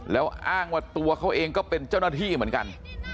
แล้วอ้างว่าตัวเขาเองก็เป็นเจ้าหน้าที่เหมือนกัน